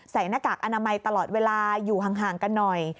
หน้ากากอนามัยตลอดเวลาอยู่ห่างกันหน่อย